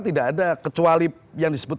tidak ada kecuali yang disebut